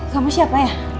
kamu siap ayah